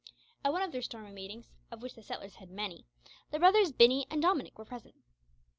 At one of their stormy meetings, of which the settlers had many, the brothers Binney and Dominick were present.